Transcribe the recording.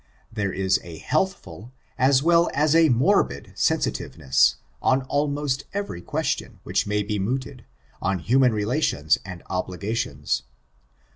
There is a healthful, as well as a morbid sensitiveness, on almost every question which may be mooted, on human relations and obligations.